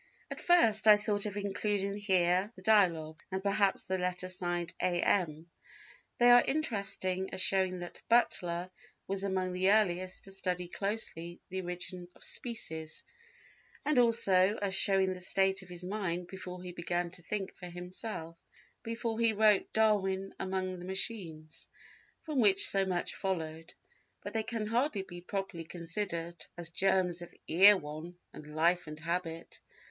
At first I thought of including here the Dialogue, and perhaps the letter signed A. M. They are interesting as showing that Butler was among the earliest to study closely the Origin of Species, and also as showing the state of his mind before he began to think for himself, before he wrote Darwin among the Machines from which so much followed; but they can hardly be properly considered as germs of Erewhon and Life and Habit.